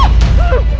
ya allah andin